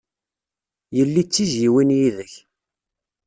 Yelli d tizzyiwin yid-k.